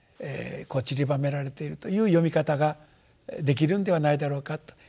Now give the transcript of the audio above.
ちりばめられているという読み方ができるんではないだろうかと。